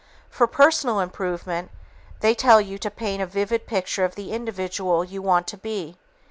For personal improvement, they tell you to paint a vivid picture of the individual you want to be.